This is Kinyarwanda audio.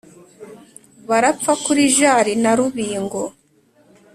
Barapfa kuri Jari na Rubingo